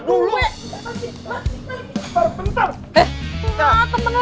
tunggu temen lu